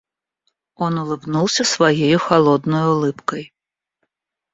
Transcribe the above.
Он улыбнулся своею холодною улыбкой.